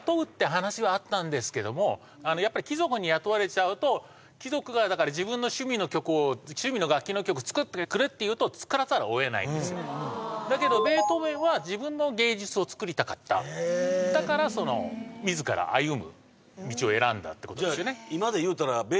はいあのやっぱり貴族に雇われちゃうと貴族が自分の趣味の曲を趣味の楽器の曲作ってくれって言うと作らざるを得ないんですよだけどベートーヴェンは自分の芸術を作りたかったへえだからその自ら歩む道を選んだってことですよねじゃ